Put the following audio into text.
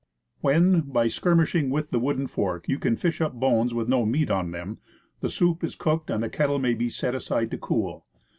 When, by skirmishing with the wooden fork, you can fish up bones with no meat on them, the soup is cooked, and the kettle may be set aside to cool.